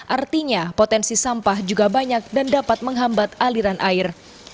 artinya potensi sampah juga banyak dan dapat menghambat aliran air